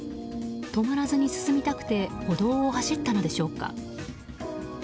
止まらずに進みたくて歩道を走ったのでしょうか。